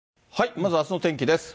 まず、あすの天気です。